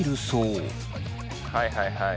はいはいはい。